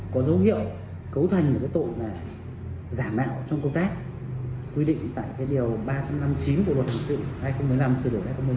có dấu hiệu cấu thành một cái tội là giả mạo trong công tác quy định tại cái điều ba trăm năm mươi chín của luật hành sự hai nghìn một mươi năm hai nghìn một mươi sáu